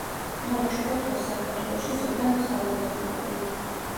ნორჩ ფოთოლს საქართველოში ზოგან მხალად ხმარობენ.